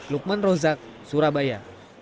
lukman rozak surabaya